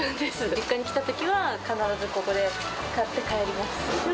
実家に来たときは、必ずここで買って帰ります。